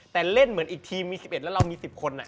แต่เล่นเหมือนอีกทีมมี๑๑แล้วเรามี๑๐คน